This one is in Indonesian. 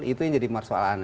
itu yang jadi persoalan